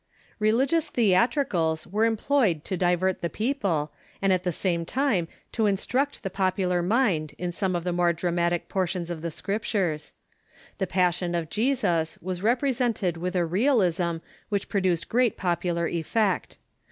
Religious theatricals were employed to divert the people, and at the same time to instruct the popular mind in some of the more dramatic portions of the Scrijitures. The Religious passion of Jesus was represented with a realism which TnGStriCfllS produced great popular effect.